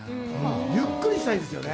ゆっくりしたいですね。